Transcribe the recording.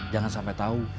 jangan sampai tahu